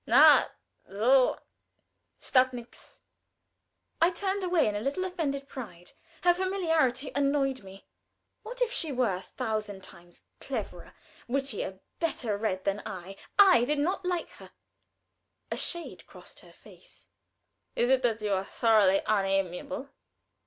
Na! 's schad't nix." I turned away in a little offended pride. Her familiarity annoyed me. What if she were a thousand times cleverer, wittier, better read than I? I did not like her. A shade crossed her face. "Is it that you are thoroughly unamiable?"